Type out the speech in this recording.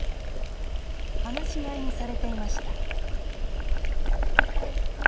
放し飼いにされていました